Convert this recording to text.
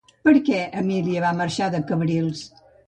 Per què Emília va marxar de Cabrils?